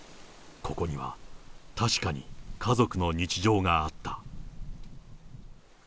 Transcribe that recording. ここには、確かに家族の日常があった。